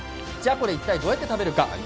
じゃあこれ一体どうやって食べるか。